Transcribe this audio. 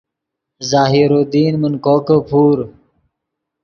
ظاہر الدین من کوکے پور